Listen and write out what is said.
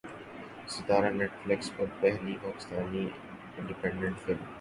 ستارہ Netflix پر پہلی پاکستانی اینیمیٹڈ فلم